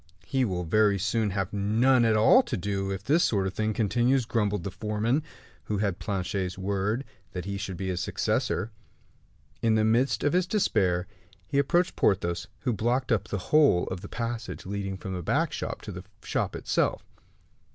"He will very soon have none at all to do, if this sort of thing continues," grumbled the foreman, who had Planchet's word that he should be his successor. In the midst of his despair, he approached Porthos, who blocked up the whole of the passage leading from the back shop to the shop itself.